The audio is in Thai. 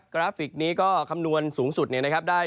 กราฟิกนี้ก็คำนวณสูงสุดได้